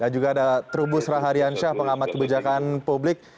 dan juga ada trubus raharian syah pengamat kebijakan publik